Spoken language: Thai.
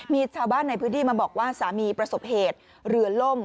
มีชาวบ้านในพื้นที่มาบอกว่าสามีประสบเหตุเรือล่ม